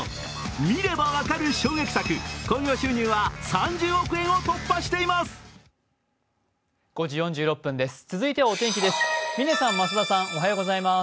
見れば分かる衝撃作、興行収入は３０億円を突破しています。